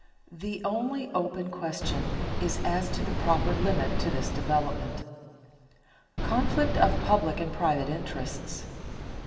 The only open question is as to the proper limit to this development. [Sidenote: Conflict of public and private interests] 2.